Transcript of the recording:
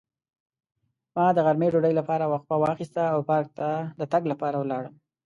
ما د غرمې ډوډۍ لپاره وقفه واخیسته او پارک ته د تګ لپاره لاړم.